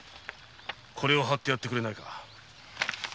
これを貼ってやってくれないか。